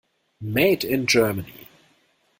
Made in Germany.